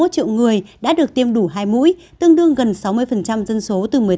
ba bảy mươi một triệu người đã được tiêm đủ hai mũi tương đương gần sáu mươi dân số từ một mươi tám tuổi